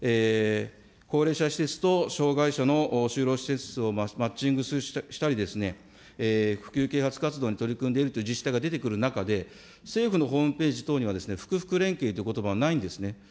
高齢者施設と、障害者の就労施設をマッチングしたり、普及啓発活動に取り組んでいるという自治体が出てくる中で、政府のホームページ等については福福連携ということばはないんですね。